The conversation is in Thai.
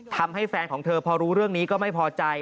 ทำให้แฟนของเธอพอรู้เรื่องนี้ก็ไม่พอใจ